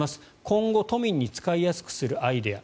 今後都民に使いやすくするアイデア